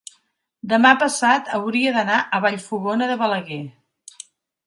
demà passat hauria d'anar a Vallfogona de Balaguer.